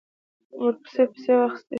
د ورور پیسې یې واخیستلې.